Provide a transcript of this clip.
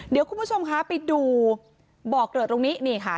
เดี๋ยวคุณผู้ชมคะไปดูบ่อเกลือดตรงนี้นี่ค่ะ